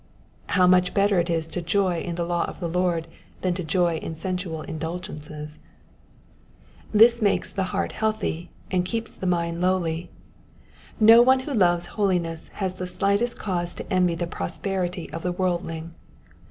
^^ How much better is it to joy in the law of the Lord than to joy in sensual indulgences 1 This makes the heart healthy, and keeps the mind lowly. No one who loves holiness has the slightest cause to envy the prosperity of the worldling.